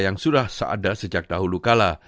yang sudah seada sejak dahulu kala